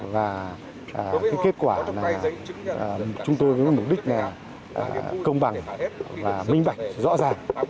và kết quả là chúng tôi với mục đích công bằng và minh bạch rõ ràng